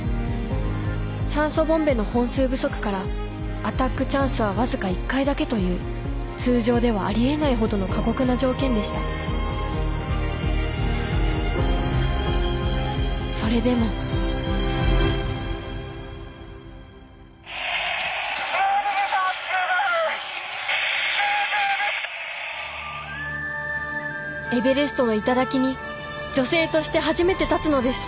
酸素ボンベの本数不足からアタックチャンスは僅か一回だけという通常ではありえないほどの過酷な条件でしたそれでもエベレストの頂に女性として初めて立つのです。